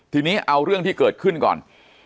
ทีนี้เอาเรื่องที่เกิดขึ้นก่อน